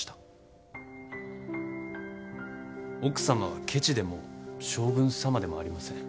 奥様はけちでも将軍様でもありません。